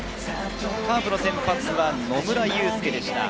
カープの先発は野村祐輔でした。